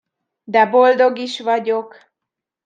De boldog is vagyok!